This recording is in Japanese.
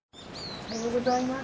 おはようございます。